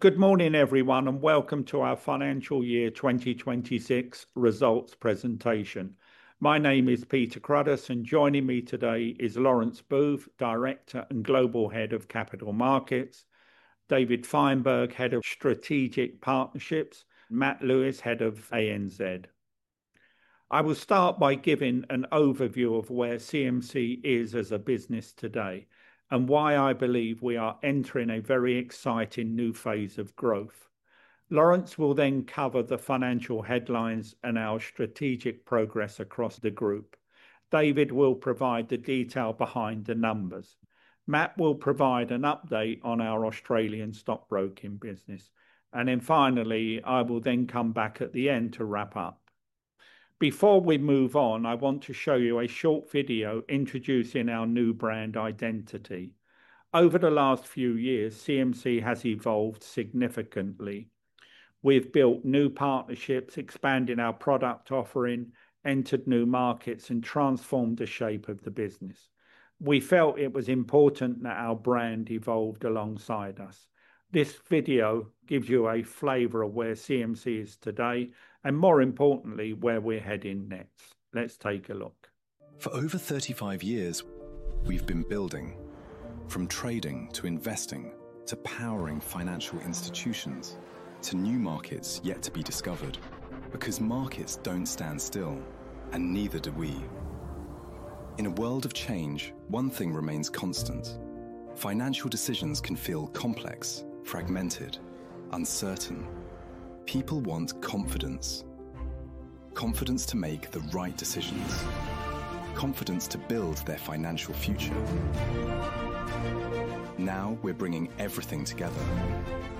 Good morning, everyone, welcome to our Financial Year 2026 results presentation. My name is Peter Cruddas. Joining me today is Laurence Booth, Director and Global Head of Capital Markets, David Fineberg, Head of Strategic Partnerships, Matthew Lewis, Head of ANZ. I will start by giving an overview of where CMC is as a business today. Why I believe we are entering a very exciting new phase of growth. Laurence will then cover the financial headlines and our strategic progress across the group. David will provide the detail behind the numbers. Matt will provide an update on our Australian stockbroking business. Finally, I will then come back at the end to wrap up. Before we move on, I want to show you a short video introducing our new brand identity. Over the last few years, CMC has evolved significantly. We've built new partnerships, expanded our product offering, entered new markets, and transformed the shape of the business. We felt it was important that our brand evolved alongside us. This video gives you a flavor of where CMC is today, and more importantly, where we're heading next. Let's take a look. For over 35 years, we've been building, from trading to investing, to powering financial institutions, to new markets yet to be discovered. Because markets don't stand still, and neither do we. In a world of change, one thing remains constant. Financial decisions can feel complex, fragmented, uncertain. People want confidence. Confidence to make the right decisions. Confidence to build their financial future. Now we're bringing everything together.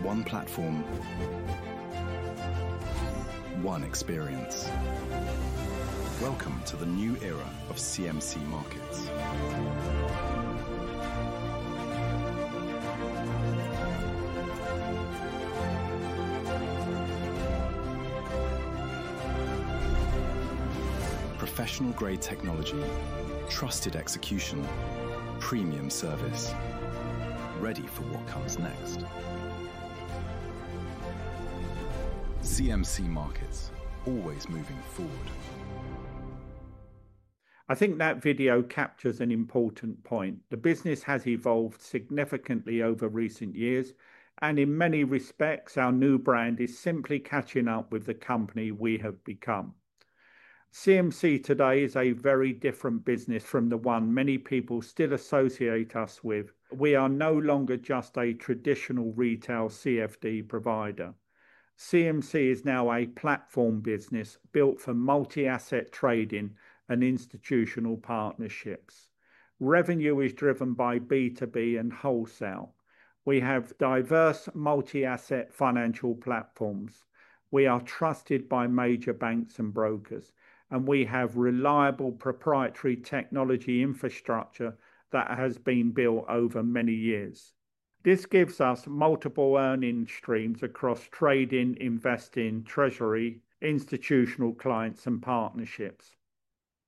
One platform. One experience. Welcome to the new era of CMC Markets. Professional-grade technology, trusted execution, premium service. Ready for what comes next. CMC Markets, always moving forward. I think that video captures an important point. The business has evolved significantly over recent years, and in many respects, our new brand is simply catching up with the company we have become. CMC today is a very different business from the one many people still associate us with. We are no longer just a traditional retail CFD provider. CMC is now a platform business built for multi-asset trading and institutional partnerships. Revenue is driven by B2B and wholesale. We have diverse multi-asset financial platforms. We are trusted by major banks and brokers, and we have reliable proprietary technology infrastructure that has been built over many years. This gives us multiple earning streams across trading, investing, treasury, institutional clients, and partnerships.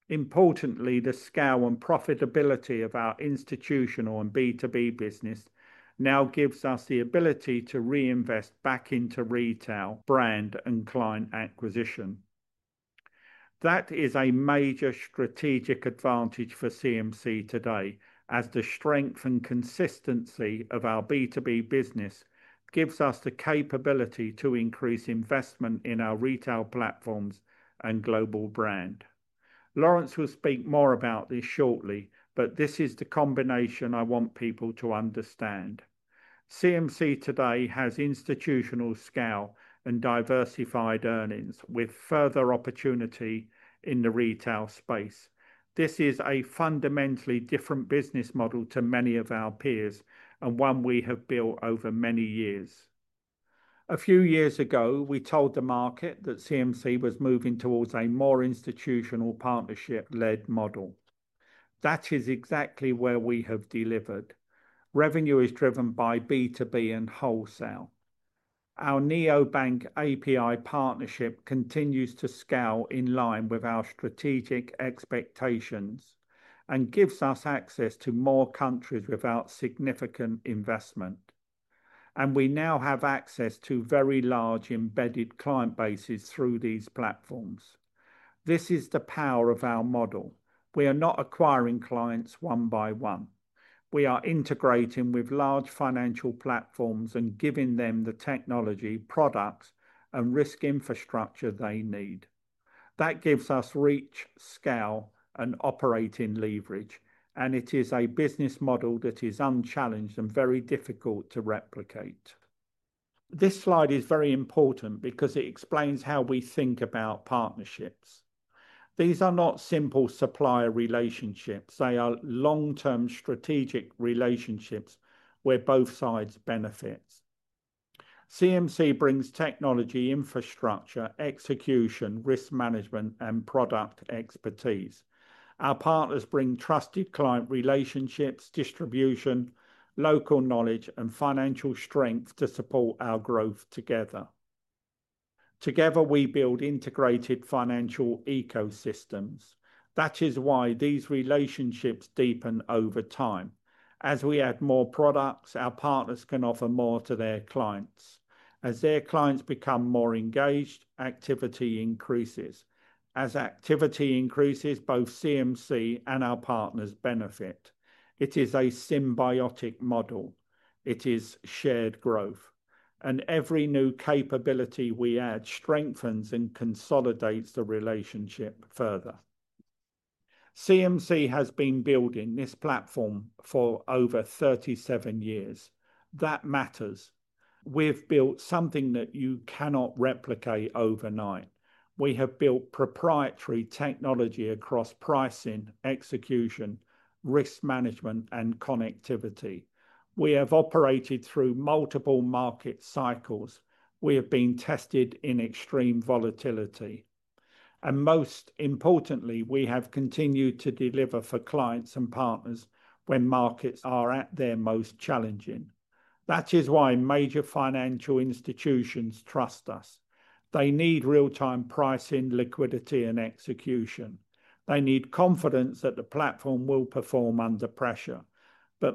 Importantly, the scale and profitability of our institutional and B2B business now gives us the ability to reinvest back into retail brand and client acquisition. That is a major strategic advantage for CMC today, as the strength and consistency of our B2B business gives us the capability to increase investment in our retail platforms and global brand. Laurence Booth will speak more about this shortly, but this is the combination I want people to understand. CMC today has institutional scale and diversified earnings, with further opportunity in the retail space. This is a fundamentally different business model to many of our peers, and one we have built over many years. A few years ago, we told the market that CMC was moving towards a more institutional partnership-led model. That is exactly where we have delivered. Revenue is driven by B2B and wholesale. Our neobank API partnership continues to scale in line with our strategic expectations and gives us access to more countries without significant investment. We now have access to very large embedded client bases through these platforms. This is the power of our model. We are not acquiring clients one by one. We are integrating with large financial platforms and giving them the technology, products, and risk infrastructure they need. That gives us reach, scale, and operating leverage, and it is a business model that is unchallenged and very difficult to replicate. This slide is very important because it explains how we think about partnerships. These are not simple supplier relationships. They are long-term strategic relationships where both sides benefit. CMC brings technology, infrastructure, execution, risk management, and product expertise. Our partners bring trusted client relationships, distribution, local knowledge, and financial strength to support our growth together we build integrated financial ecosystems. That is why these relationships deepen over time. As we add more products, our partners can offer more to their clients. As their clients become more engaged, activity increases. As activity increases, both CMC and our partners benefit. It is a symbiotic model. It is shared growth, and every new capability we add strengthens and consolidates the relationship further. CMC has been building this platform for over 37 years. That matters. We've built something that you cannot replicate overnight. We have built proprietary technology across pricing, execution, risk management, and connectivity. We have operated through multiple market cycles. We have been tested in extreme volatility, and most importantly, we have continued to deliver for clients and partners when markets are at their most challenging. That is why major financial institutions trust us. They need real-time pricing, liquidity, and execution. They need confidence that the platform will perform under pressure.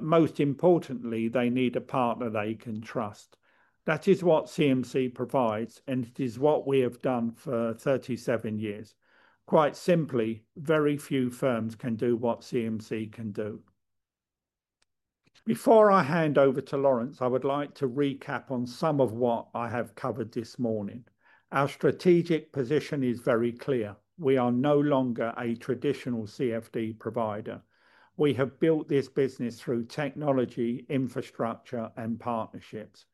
Most importantly, they need a partner they can trust. That is what CMC provides, and it is what we have done for 37 years. Quite simply, very few firms can do what CMC can do. Before I hand over to Laurence, I would like to recap on some of what I have covered this morning. Our strategic position is very clear. We are no longer a traditional CFD provider. We have built this business through technology, infrastructure, and partnerships.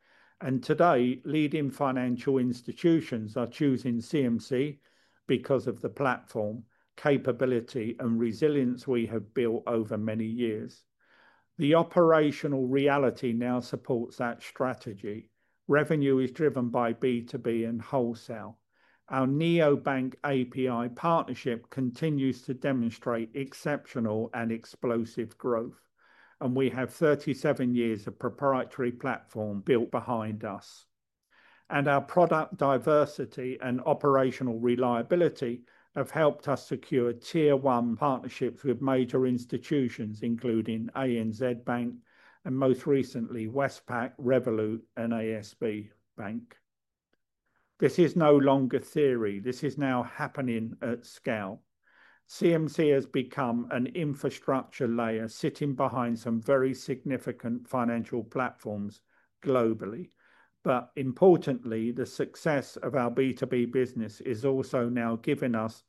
Today, leading financial institutions are choosing CMC because of the platform, capability, and resilience we have built over many years. The operational reality now supports that strategy. Revenue is driven by B2B and wholesale. Our neobank API partnership continues to demonstrate exceptional and explosive growth, and we have 37 years of proprietary platform built behind us. Our product diversity and operational reliability have helped us secure tier 1 partnerships with major institutions, including ANZ Bank and most recently Westpac, Revolut, and ASB Bank. This is no longer theory. This is now happening at scale. CMC has become an infrastructure layer sitting behind some very significant financial platforms globally. Importantly, the success of our B2B business is also now giving us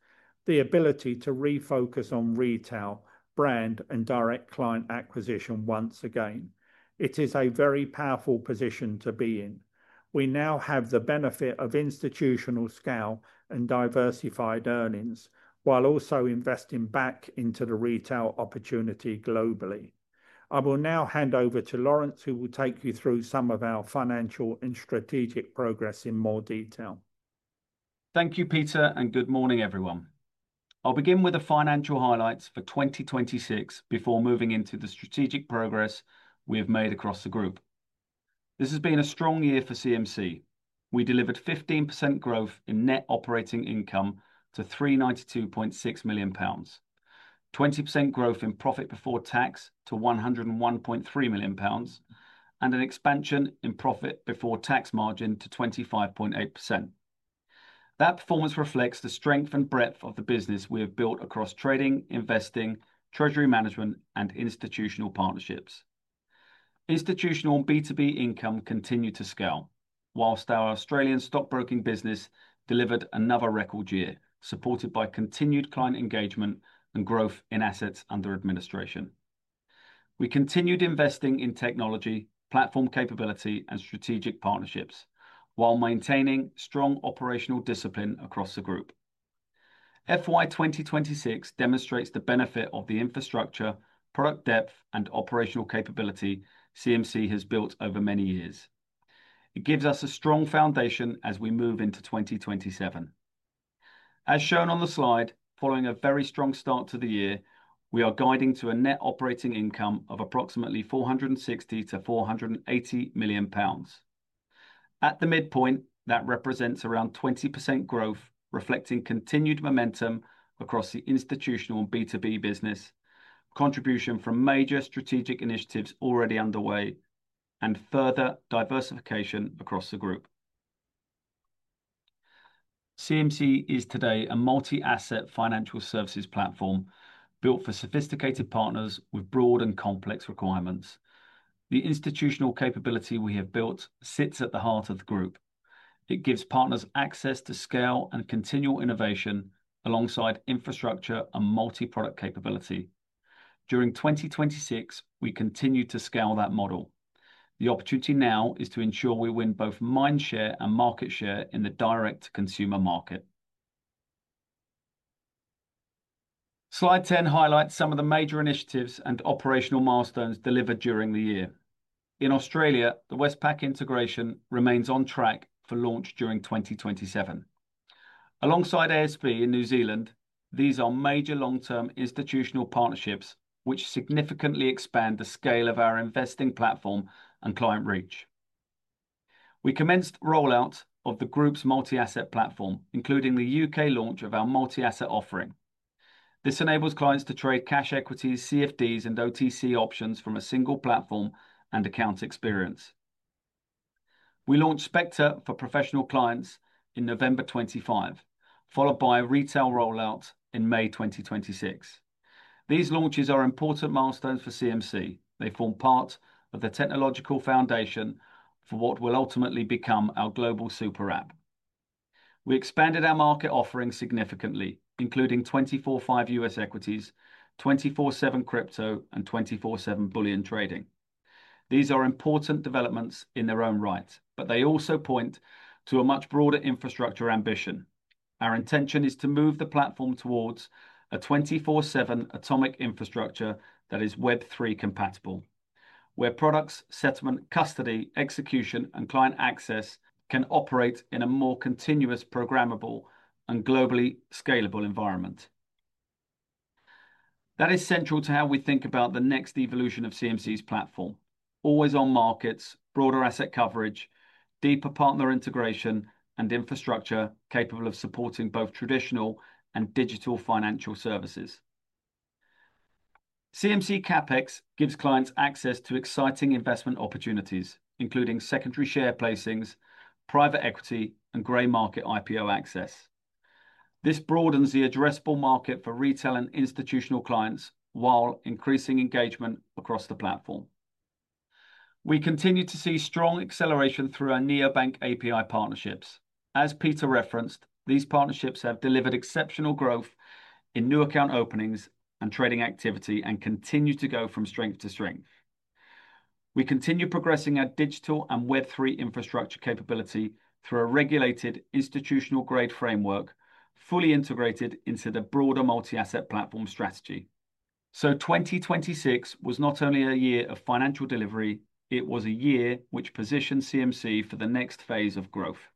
the ability to refocus on retail, brand, and direct client acquisition once again. It is a very powerful position to be in. We now have the benefit of institutional scale and diversified earnings, while also investing back into the retail opportunity globally. I will now hand over to Laurence, who will take you through some of our financial and strategic progress in more detail. Thank you, Peter Cruddas, and good morning, everyone. I'll begin with the financial highlights for 2026 before moving into the strategic progress we have made across the group. This has been a strong year for CMC. We delivered 15% growth in net operating income to 392.6 million pounds, 20% growth in profit before tax to 101.3 million pounds, and an expansion in profit before tax margin to 25.8%. That performance reflects the strength and breadth of the business we have built across trading, investing, treasury management, and institutional partnerships. Institutional and B2B income continue to scale, whilst our Australian stockbroking business delivered another record year, supported by continued client engagement and growth in assets under administration. We continued investing in technology, platform capability, and strategic partnerships while maintaining strong operational discipline across the group. FY 2026 demonstrates the benefit of the infrastructure, product depth, and operational capability CMC has built over many years. It gives us a strong foundation as we move into 2027. As shown on the slide, following a very strong start to the year, we are guiding to a net operating income of approximately 460 million-480 million pounds. At the midpoint, that represents around 20% growth, reflecting continued momentum across the institutional and B2B business, contribution from major strategic initiatives already underway, and further diversification across the group. CMC is today a multi-asset financial services platform built for sophisticated partners with broad and complex requirements. The institutional capability we have built sits at the heart of the group. It gives partners access to scale and continual innovation alongside infrastructure and multi-product capability. During 2026, we continued to scale that model. The opportunity now is to ensure we win both mind share and market share in the direct-to-consumer market. Slide 10 highlights some of the major initiatives and operational milestones delivered during the year. In Australia, the Westpac integration remains on track for launch during 2027. Alongside ASB in New Zealand, these are major long-term institutional partnerships which significantly expand the scale of our investing platform and client reach. We commenced rollout of the group's multi-asset platform, including the U.K. launch of our multi-asset offering. This enables clients to trade cash equities, CFDs and OTC options from a single platform and account experience. We launched Spectre for professional clients in November 2025, followed by a retail rollout in May 2026. These launches are important milestones for CMC. They form part of the technological foundation for what will ultimately become our global super app. We expanded our market offering significantly, including 24/5 U.S. equities, 24/7 crypto, and 24/7 bullion trading. These are important developments in their own right, but they also point to a much broader infrastructure ambition. Our intention is to move the platform towards a 24/7 atomic infrastructure that is Web3 compatible, where products, settlement, custody, execution, and client access can operate in a more continuous, programmable, and globally scalable environment. That is central to how we think about the next evolution of CMC's platform. Always on markets, broader asset coverage, deeper partner integration and infrastructure capable of supporting both traditional and digital financial services. CMC CapX gives clients access to exciting investment opportunities, including secondary share placings, private equity, and grey market IPO access. This broadens the addressable market for retail and institutional clients, while increasing engagement across the platform. We continue to see strong acceleration through our neobank API partnerships. As Peter Cruddas referenced, these partnerships have delivered exceptional growth in new account openings and trading activity, and continue to go from strength to strength. We continue progressing our digital and Web3 infrastructure capability through a regulated institutional-grade framework, fully integrated into the broader multi-asset platform strategy. 2026 was not only a year of financial delivery, it was a year which positioned CMC for the next phase of growth.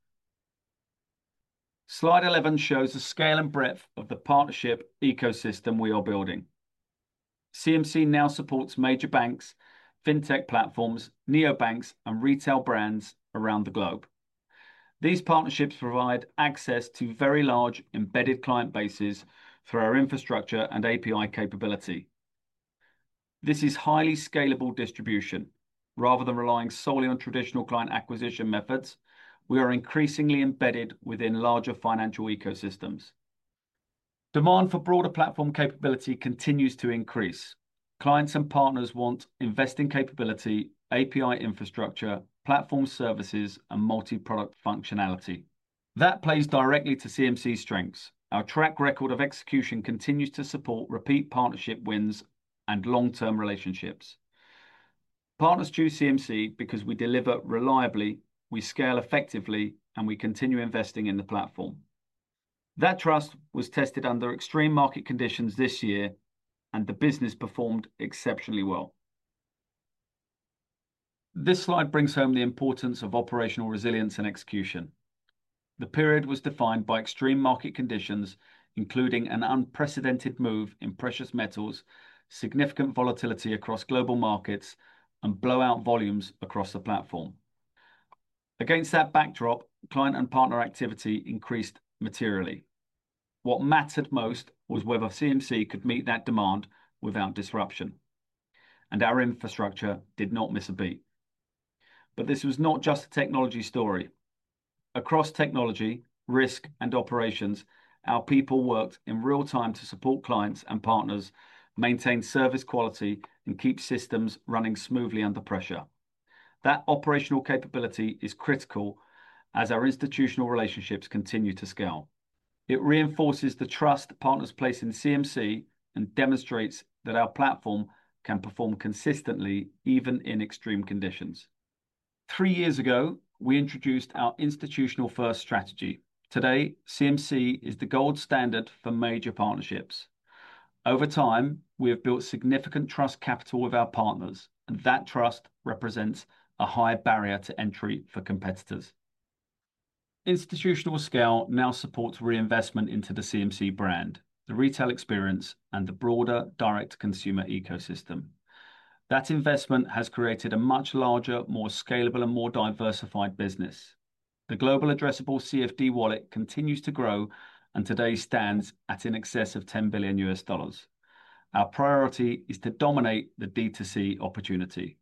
Slide 11 shows the scale and breadth of the partnership ecosystem we are building. CMC now supports major banks, fintech platforms, neobanks and retail brands around the globe. These partnerships provide access to very large embedded client bases through our infrastructure and API capability. This is highly scalable distribution. Rather than relying solely on traditional client acquisition methods, we are increasingly embedded within larger financial ecosystems. Demand for broader platform capability continues to increase. Clients and partners want investing capability, API infrastructure, platform services, and multi-product functionality. That plays directly to CMC's strengths. Our track record of execution continues to support repeat partnership wins and long-term relationships. Partners choose CMC because we deliver reliably, we scale effectively, and we continue investing in the platform. That trust was tested under extreme market conditions this year, and the business performed exceptionally well. This slide brings home the importance of operational resilience and execution. The period was defined by extreme market conditions, including an unprecedented move in precious metals, significant volatility across global markets, and blowout volumes across the platform. Against that backdrop, client and partner activity increased materially. What mattered most was whether CMC could meet that demand without disruption, and our infrastructure did not miss a beat. This was not just a technology story. Across technology, risk, and operations, our people worked in real time to support clients and partners, maintain service quality, and keep systems running smoothly under pressure. That operational capability is critical as our institutional relationships continue to scale. It reinforces the trust partners place in CMC and demonstrates that our platform can perform consistently, even in extreme conditions. Three years ago, we introduced our institutional-first strategy. Today, CMC is the gold standard for major partnerships. Over time, we have built significant trust capital with our partners, and that trust represents a high barrier to entry for competitors. Institutional scale now supports reinvestment into the CMC brand, the retail experience, and the broader direct-to-consumer ecosystem. That investment has created a much larger, more scalable, and more diversified business. The global addressable CFD wallet continues to grow and today stands at in excess of $10 billion. Our priority is to dominate the D2C opportunity.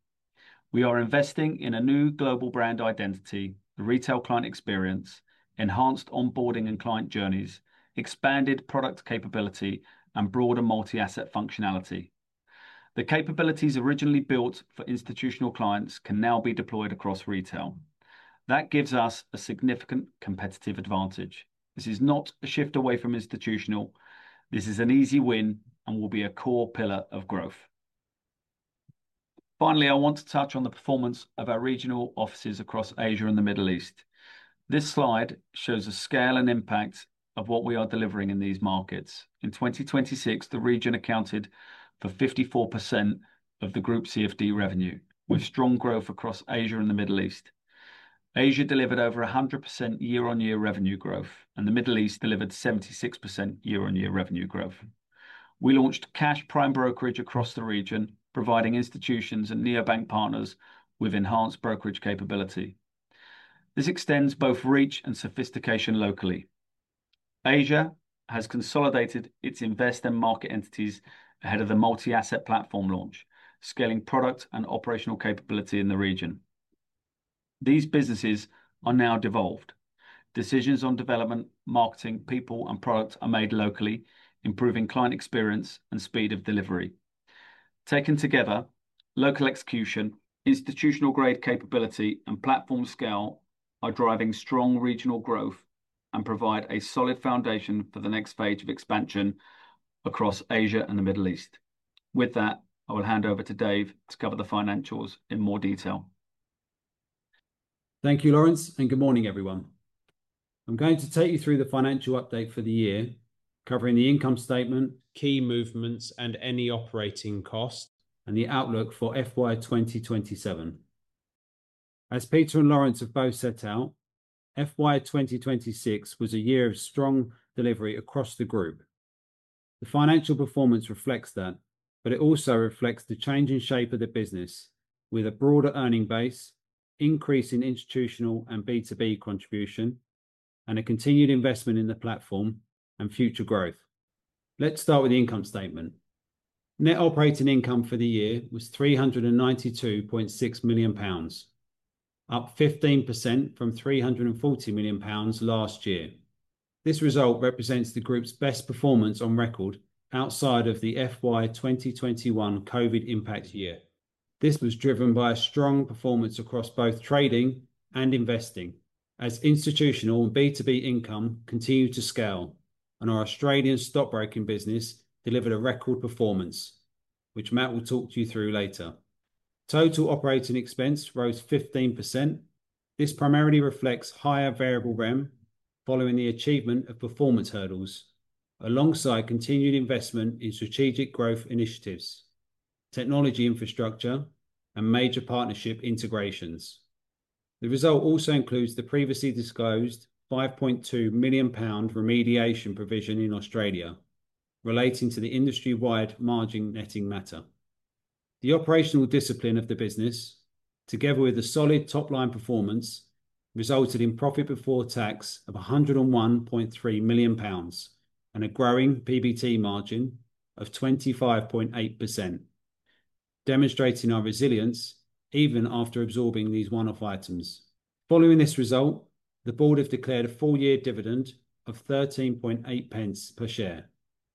We are investing in a new global brand identity, the retail client experience, enhanced onboarding and client journeys, expanded product capability, and broader multi-asset functionality. The capabilities originally built for institutional clients can now be deployed across retail. That gives us a significant competitive advantage. This is not a shift away from institutional. This is an easy win and will be a core pillar of growth. Finally, I want to touch on the performance of our regional offices across Asia and the Middle East. This slide shows the scale and impact of what we are delivering in these markets. In 2026, the region accounted for 54% of the group CFD revenue with strong growth across Asia and the Middle East. Asia delivered over 100% year-on-year revenue growth, and the Middle East delivered 76% year-on-year revenue growth. We launched Cash Prime Brokerage across the region, providing institutions and neobank partners with enhanced brokerage capability. This extends both reach and sophistication locally. Asia has consolidated its invest and market entities ahead of the multi-asset platform launch, scaling product and operational capability in the region. These businesses are now devolved. Decisions on development, marketing, people and product are made locally, improving client experience and speed of delivery. Taken together, local execution, institutional-grade capability, and platform scale are driving strong regional growth and provide a solid foundation for the next phase of expansion across Asia and the Middle East. With that, I will hand over to Dave Fineberg to cover the financials in more detail. Thank you, Laurence, good morning, everyone. I'm going to take you through the financial update for the year, covering the income statement, key movements, and any operating costs, and the outlook for FY 2027. As Peter and Laurence have both set out, FY 2026 was a year of strong delivery across the group. The financial performance reflects that, but it also reflects the changing shape of the business with a broader earning base, increase in institutional and B2B contribution, and a continued investment in the platform and future growth. Let's start with the income statement. Net operating income for the year was 392.6 million pounds, up 15% from 340 million pounds last year. This result represents the group's best performance on record outside of the FY 2021 COVID impact year. This was driven by a strong performance across both trading and investing as institutional and B2B income continued to scale, and our Australian stockbroking business delivered a record performance, which Matt will talk you through later. Total operating expense rose 15%. This primarily reflects higher variable remuneration following the achievement of performance hurdles, alongside continued investment in strategic growth initiatives, technology infrastructure, and major partnership integrations. Result also includes the previously disclosed 5.2 million pound remediation provision in Australia relating to the industry-wide margin netting matter. The operational discipline of the business, together with the solid top-line performance, resulted in profit before tax of 101.3 million pounds and growing PBT margin of 25.8%, demonstrating our resilience even after absorbing these one-off items. Following this result, the board have declared a full-year dividend of 0.138 per share,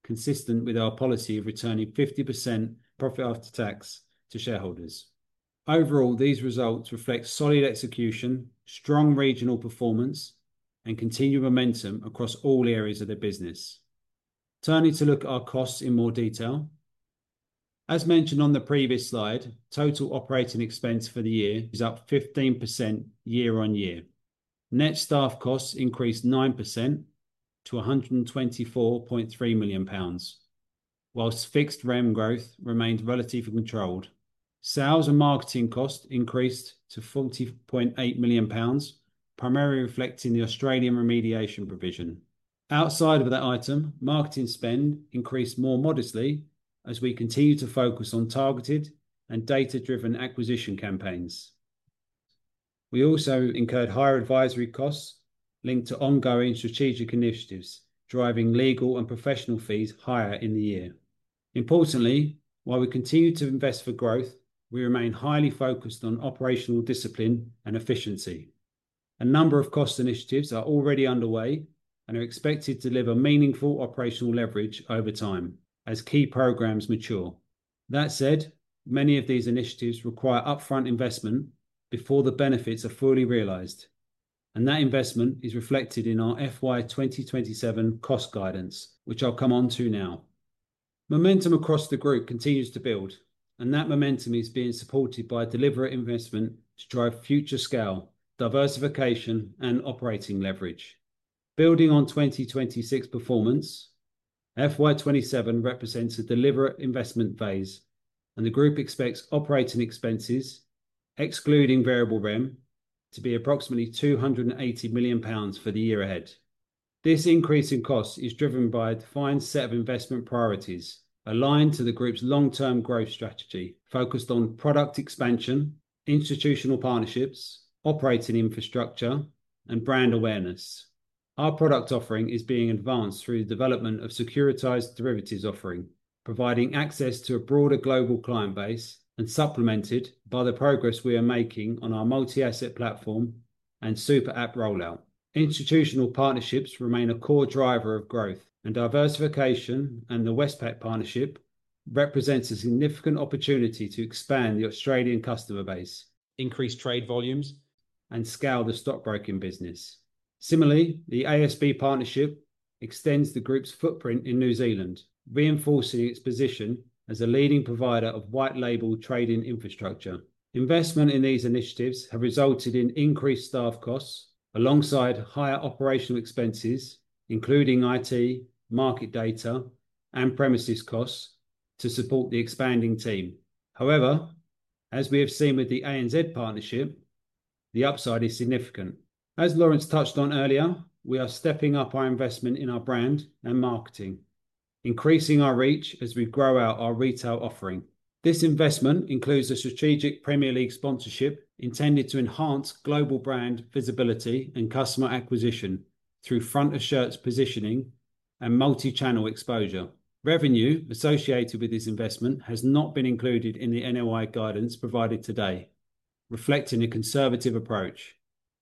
consistent with our policy of returning 50% profit after tax to shareholders. Overall, these results reflect solid execution, strong regional performance, and continued momentum across all areas of the business. Turning to look at our costs in more detail. As mentioned on the previous slide, total operating expense for the year is up 15% year-on-year. Net staff costs increased 9% to 124.3 million pounds. Whilst fixed remuneration growth remained relatively controlled, sales and marketing costs increased to 40.8 million pounds, primarily reflecting the Australian remediation provision. Outside of that item, marketing spend increased more modestly as we continue to focus on targeted and data-driven acquisition campaigns. We also incurred higher advisory costs linked to ongoing strategic initiatives, driving legal and professional fees higher in the year. Importantly, while we continue to invest for growth, we remain highly focused on operational discipline and efficiency. A number of cost initiatives are already underway and are expected to deliver meaningful operational leverage over time as key programs mature. That said, many of these initiatives require upfront investment before the benefits are fully realized, and that investment is reflected in our FY 2027 cost guidance, which I'll come onto now. Momentum across the group continues to build, and that momentum is being supported by deliberate investment to drive future scale, diversification, and operating leverage. Building on 2026 performance, FY 2027 represents a deliberate investment phase, and the group expects operating expenses, excluding variable remuneration, to be approximately 280 million pounds for the year ahead. This increase in cost is driven by a defined set of investment priorities aligned to the group's long-term growth strategy, focused on product expansion, institutional partnerships, operating infrastructure, and brand awarenes Our product offering is being advanced through the development of securitized derivatives offering, providing access to a broader global client base and supplemented by the progress we are making on our multi-asset platform and super app rollout. Institutional partnerships remain a core driver of growth and diversification, and the Westpac partnership represents a significant opportunity to expand the Australian customer base, increase trade volumes, and scale the stockbroking business. Similarly, the ASB partnership extends the group's footprint in New Zealand, reinforcing its position as a leading provider of white label trading infrastructure. Investment in these initiatives have resulted in increased staff costs alongside higher operational expenses, including IT, market data, and premises costs to support the expanding team. However, as we have seen with the ANZ partnership, the upside is significant. As Laurence touched on earlier, we are stepping up our investment in our brand and marketing, increasing our reach as we grow out our retail offering. This investment includes a strategic Premier League sponsorship intended to enhance global brand visibility and customer acquisition through front-of-shirts positioning and multi-channel exposure. Revenue associated with this investment has not been included in the NOI guidance provided today, reflecting a conservative approach.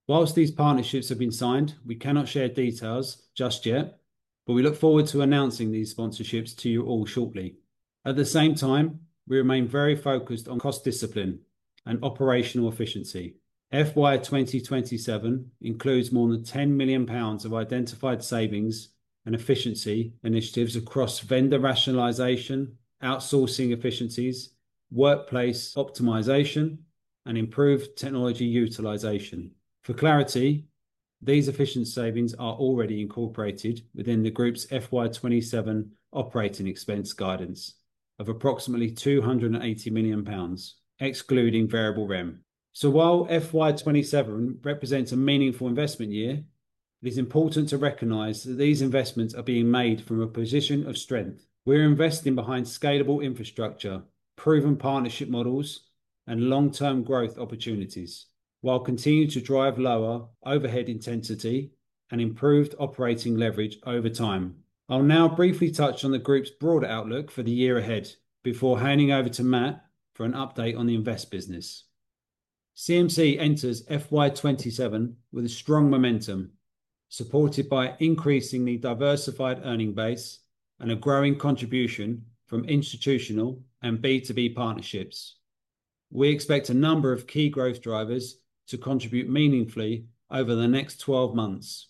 Whilst these partnerships have been signed, we cannot share details just yet, but we look forward to announcing these sponsorships to you all shortly. At the same time, we remain very focused on cost discipline and operational efficiency. FY 2027 includes more than 10 million pounds of identified savings and efficiency initiatives across vendor rationalization, outsourcing efficiencies, workplace optimization, and improved technology utilization. For clarity, these efficiency savings are already incorporated within the group's FY 2027 operating expense guidance of approximately 280 million pounds, excluding variable remuneration. While FY 2027 represents a meaningful investment year, it is important to recognize that these investments are being made from a position of strength. We're investing behind scalable infrastructure, proven partnership models, and long-term growth opportunities while continuing to drive lower overhead intensity and improved operating leverage over time. I'll now briefly touch on the group's broad outlook for the year ahead before handing over to Matt for an update on the Invest business. CMC enters FY 2027 with a strong momentum, supported by increasingly diversified earning base and a growing contribution from institutional and B2B partnerships. We expect a number of key growth drivers to contribute meaningfully over the next 12 months.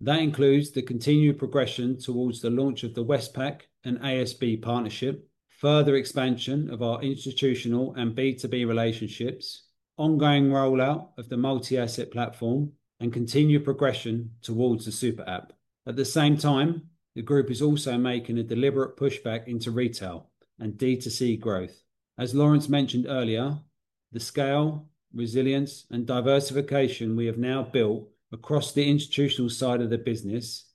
That includes the continued progression towards the launch of the Westpac and ASB partnership, further expansion of our institutional and B2B relationships, ongoing rollout of the multi-asset platform, and continued progression towards the super app. At the same time, the group is also making a deliberate push back into retail and D2C growth. As Laurence mentioned earlier, the scale, resilience, and diversification we have now built across the institutional side of the business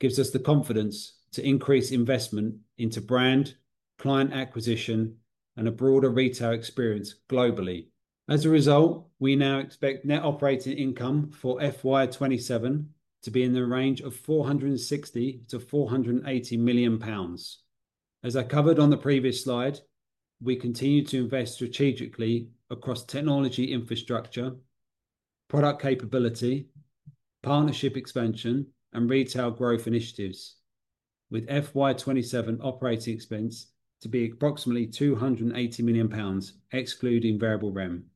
gives us the confidence to increase investment into brand, client acquisition, and a broader retail experience globally. As a result, we now expect net operating income for FY 2027 to be in the range of 460 million-480 million pounds. As I covered on the previous slide, we continue to invest strategically across technology infrastructure, product capability, partnership expansion, and retail growth initiatives. With FY 2027 operating expense to be approximately 280 million pounds, excluding variable remuneration.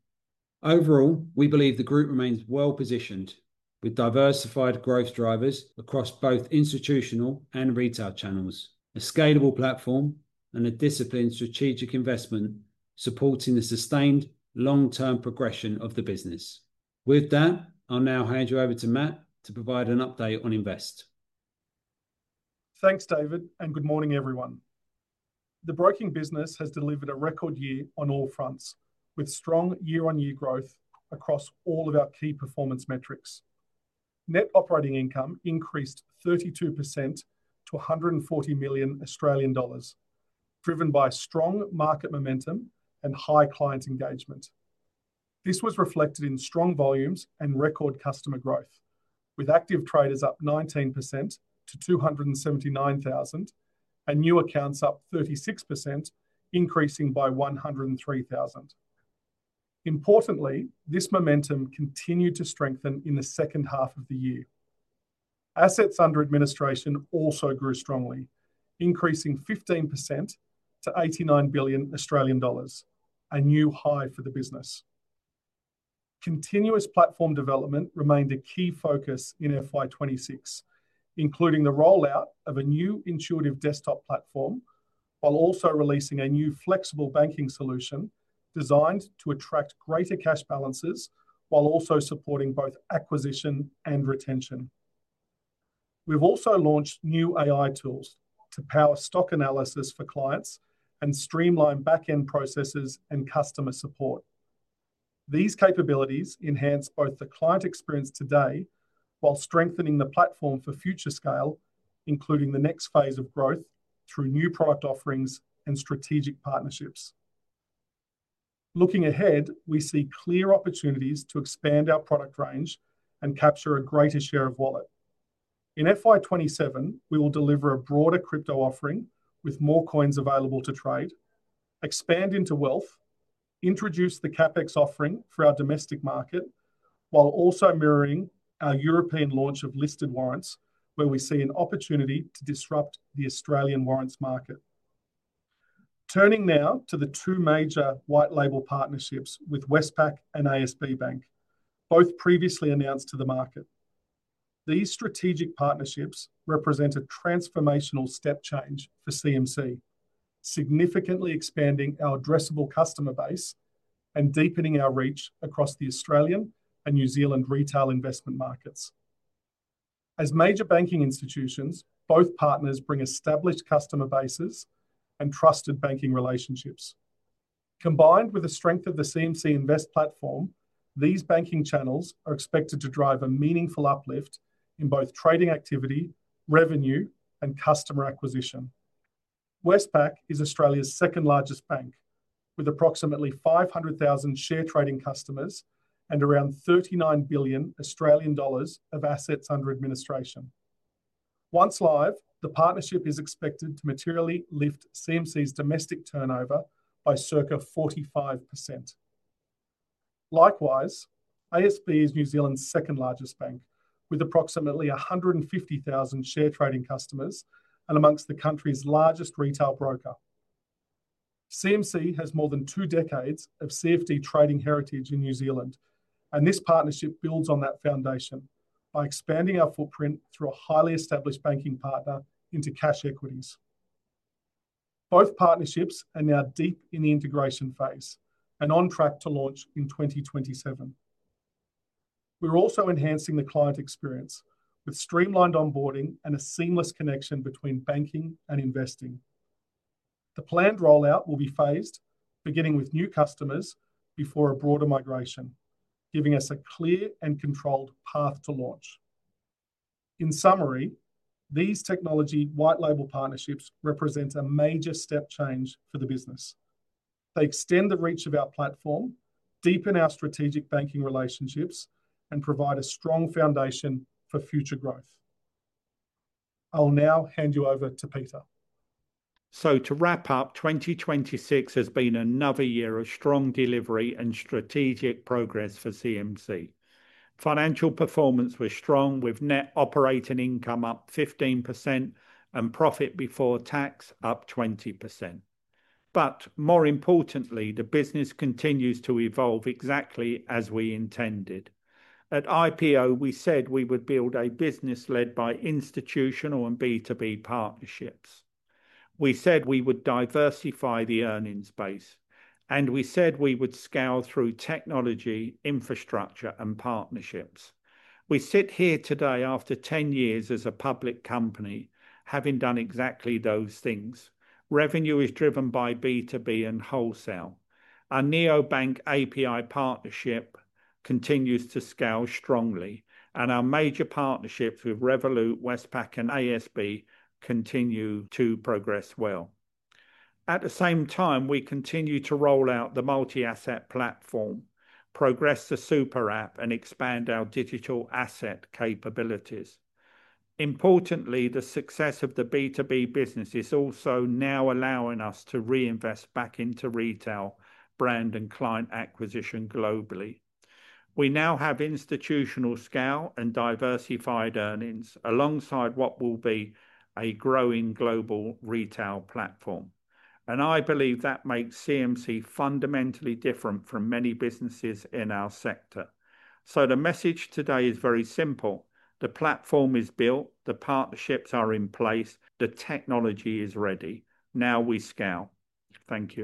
Overall, we believe the group remains well-positioned with diversified growth drivers across both institutional and retail channels, a scalable platform, and a disciplined strategic investment supporting the sustained long-term progression of the business. With that, I'll now hand you over to Matthew Lewis to provide an update on Invest. Thanks, David. Good morning, everyone. The broking business has delivered a record year on all fronts, with strong year-on-year growth across all of our key performance metrics. Net operating income increased 32% to 140 million Australian dollars, driven by strong market momentum and high client engagement. This was reflected in strong volumes and record customer growth, with active traders up 19% to 279,000, and new accounts up 36%, increasing by 103,000. Importantly, this momentum continued to strengthen in the H2 of the year. Assets under administration also grew strongly, increasing 15% to 89 billion Australian dollars, a new high for the business. Continuous platform development remained a key focus in FY 2026, including the rollout of a new intuitive desktop platform, while also releasing a new flexible banking solution designed to attract greater cash balances, while also supporting both acquisition and retention. We've also launched new AI tools to power stock analysis for clients and streamline back-end processes and customer support. These capabilities enhance both the client experience today while strengthening the platform for future scale, including the next phase of growth through new product offerings and strategic partnerships. Looking ahead, we see clear opportunities to expand our product range and capture a greater share of wallet. In FY 2027, we will deliver a broader crypto offering with more coins available to trade, expand into wealth, introduce the CMC CapX offering for our domestic market, while also mirroring our European launch of listed warrants, where we see an opportunity to disrupt the Australian warrants market. Turning now to the two major white label partnerships with Westpac and ASB Bank, both previously announced to the market. These strategic partnerships represent a transformational step change for CMC, significantly expanding our addressable customer base and deepening our reach across the Australian and New Zealand retail investment markets. As major banking institutions, both partners bring established customer bases and trusted banking relationships. Combined with the strength of the CMC Invest platform, these banking channels are expected to drive a meaningful uplift in both trading activity, revenue, and customer acquisition. Westpac is Australia's second-largest bank with approximately 500,000 share trading customers and around 39 billion Australian dollars of assets under administration. Once live, the partnership is expected to materially lift CMC's domestic turnover by circa 45%. Likewise, ASB is New Zealand's second-largest bank with approximately 150,000 share trading customers and amongst the country's largest retail broker. CMC has more than two decades of CFD trading heritage in New Zealand, and this partnership builds on that foundation by expanding our footprint through a highly established banking partner into cash equities. Both partnerships are now deep in the integration phase and on track to launch in 2027. We're also enhancing the client experience with streamlined onboarding and a seamless connection between banking and investing. The planned rollout will be phased, beginning with new customers before a broader migration, giving us a clear and controlled path to launch. In summary, these technology white label partnerships represent a major step change for the business. They extend the reach of our platform, deepen our strategic banking relationships, and provide a strong foundation for future growth. I'll now hand you over to Peter. To wrap up, 2026 has been another year of strong delivery and strategic progress for CMC. Financial performance was strong with net operating income up 15% and profit before tax up 20%. More importantly, the business continues to evolve exactly as we intended. At IPO, we said we would build a business led by institutional and B2B partnerships. We said we would diversify the earnings base, and we said we would scale through technology, infrastructure, and partnerships. We sit here today after 10 years as a public company, having done exactly those things. Revenue is driven by B2B and wholesale. Our neobank API partnership continues to scale strongly, and our major partnerships with Revolut, Westpac, and ASB continue to progress well. At the same time, we continue to roll out the multi-asset platform, progress the super app, and expand our digital asset capabilities. Importantly, the success of the B2B business is also now allowing us to reinvest back into retail brand and client acquisition globally. We now have institutional scale and diversified earnings alongside what will be a growing global retail platform, and I believe that makes CMC fundamentally different from many businesses in our sector. The message today is very simple. The platform is built, the partnerships are in place, the technology is ready. Now we scale. Thank you.